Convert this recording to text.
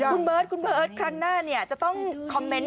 คุณเบิร์ตคุณเบิร์ตครั้งหน้าจะต้องคอมเมนต์